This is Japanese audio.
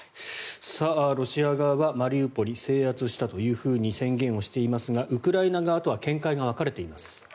ロシア側はマリウポリ制圧したと宣言をしていますがウクライナ側とは見解が分かれています。